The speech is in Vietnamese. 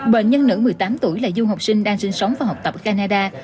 bệnh nhân nữ một mươi tám tuổi là du học sinh đang sinh sống và học tập ở canada